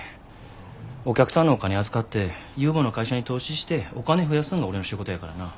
お客さんのお金預かって有望な会社に投資してお金増やすんが俺の仕事やからな。